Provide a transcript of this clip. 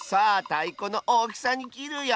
たいこのおおきさにきるよ！